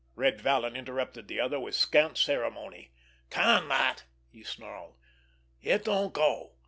Red Vallon interrupted the other with scant ceremony. "Can that!" he snarled. "It don't go!